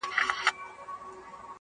ساقي در مبارک دي میکدې وي ټولي تاته,